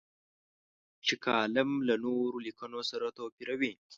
چې کالم له نورو لیکنو سره توپیروي.